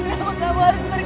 kenapa kamu harus pergi gafin